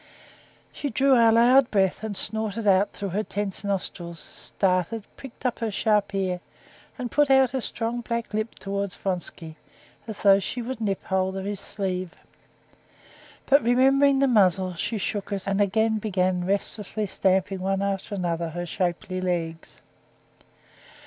She drew a loud breath and snorted out through her tense nostrils, started, pricked up her sharp ear, and put out her strong, black lip towards Vronsky, as though she would nip hold of his sleeve. But remembering the muzzle, she shook it and again began restlessly stamping one after the other her shapely legs.